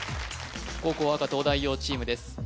後攻赤東大王チームです